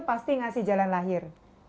pasti ngasih jalan lahir